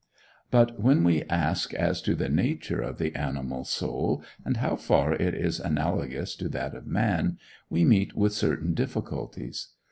But when we ask as to the nature of the animal soul, and how far it is analogous to that of man, we meet with certain difficulties.